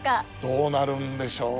どうなるんでしょう？